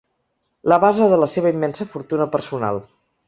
La base de la seva immensa fortuna personal.